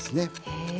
へえ。